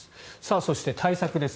そして、対策です。